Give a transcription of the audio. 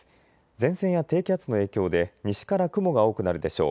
前線や低気圧の影響で西から雲が多くなるでしょう。